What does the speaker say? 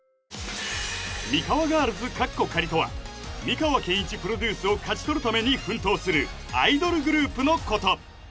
ミカワガールズとは美川憲一プロデュースを勝ち取るために奮闘するアイドルグループのこと